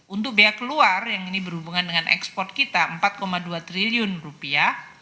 untuk biaya keluar yang ini berhubungan dengan ekspor kita empat dua triliun rupiah